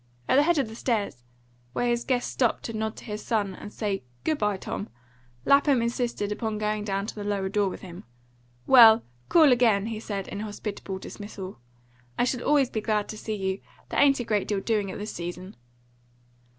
At the head of the stairs, where his guest stopped to nod to his son and say "Good bye, Tom," Lapham insisted upon going down to the lower door with him "Well, call again," he said in hospitable dismissal. "I shall always be glad to see you. There ain't a great deal doing at this season."